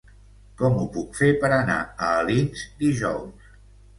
Com ho puc fer per anar a Alins dijous?